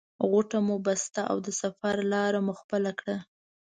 غوټه مو بسته او د سفر لاره مو خپله کړه.